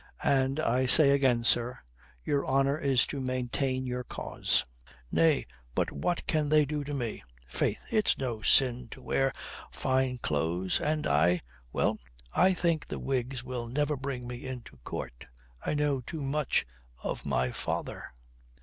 "And I say again, sir, your honour is to maintain your cause. Nay, but what can they do to me? Faith, it's no sin to wear fine clothes. And I well, I think the Whigs will never bring me into court. I know too much of my father."